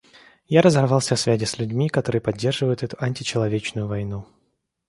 Я разорвал все связи с людьми, которые поддерживают эту античеловечную войну.